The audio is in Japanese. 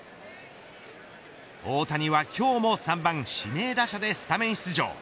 大谷は今日も３番指名打者でスタメン出場。